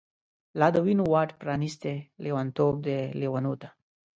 لا د وینو واټ پرانیستۍ، لیونتوب دی لیونوته